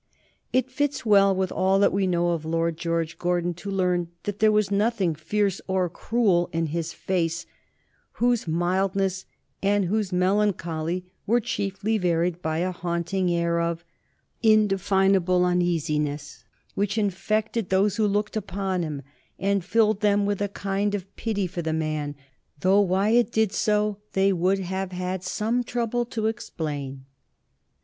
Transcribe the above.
It fits well with all that we know of Lord George Gordon, to learn that there was nothing fierce or cruel in his face, whose mildness and whose melancholy were chiefly varied by a haunting air of "indefinable uneasiness, which infected those who looked upon him and filled them with a kind of pity for the man: though why it did so they would have had some trouble to explain."